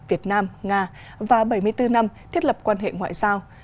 và bảy mươi bốn năm thiết lập quan hệ ngoại giao